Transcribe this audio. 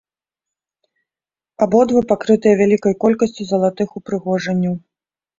Абодва пакрытыя вялікай колькасцю залатых упрыгажэнняў.